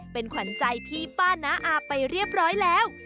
เป็นขวัญใจพี่ป้าน้าอาไปเรียบร้อยแล้ว